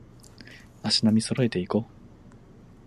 足並み揃えていこう